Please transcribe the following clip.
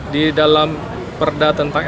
di dalam perdat tentang